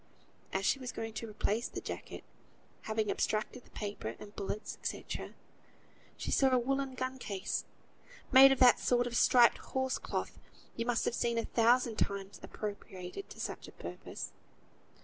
As she was going to replace the jacket, having abstracted the paper, and bullets, &c., she saw a woollen gun case made of that sort of striped horse cloth you must have seen a thousand times appropriated to such a purpose.